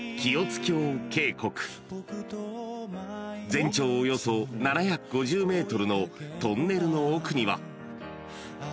［全長およそ７５０ｍのトンネルの奥には］